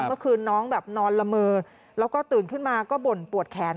เมื่อคืนน้องแบบนอนละเมอแล้วก็ตื่นขึ้นมาก็บ่นปวดแขน